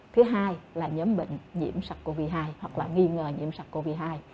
thứ hai là nhóm bệnh nhiễm sars cov hai hoặc là nghi ngờ nhiễm sars cov hai